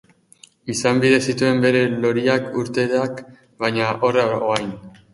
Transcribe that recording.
Izan bide zituen bere loria urteak, baina, horra orain.